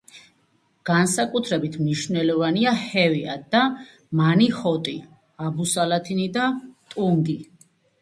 განსაკუთრებით მნიშვნელოვანია ჰევეა და მანიჰოტი, აბუსალათინი და ტუნგი.